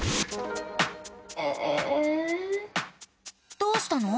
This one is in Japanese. どうしたの？